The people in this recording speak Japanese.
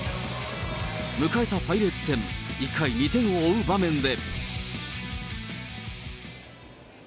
迎えたパイレーツ戦、１回、２点を追う場面で。